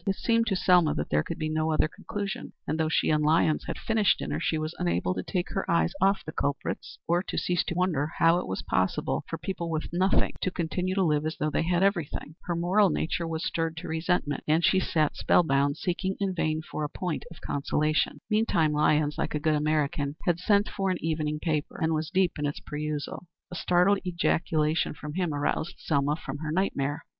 It seemed to Selma that there could be no other conclusion, and though she and Lyons had finished dinner, she was unable to take her eyes off the culprits, or to cease to wonder how it was possible for people with nothing to continue to live as though they had everything. Her moral nature was stirred to resentment, and she sat spell bound, seeking in vain for a point of consolation. Meantime Lyons, like a good American, had sent for an evening paper, and was deep in its perusal. A startled ejaculation from him aroused Selma from her nightmare.